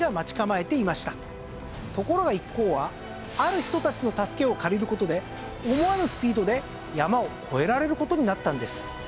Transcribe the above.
ところが一行はある人たちの助けを借りる事で思わぬスピードで山を越えられる事になったんです。